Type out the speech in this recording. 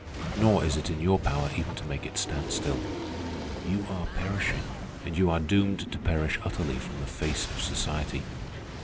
Nor is it in your power even to make it stand still. You are perishing, and you are doomed to perish utterly from the face of society.